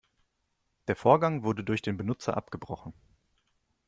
Der Vorgang wurde durch den Benutzer abgebrochen.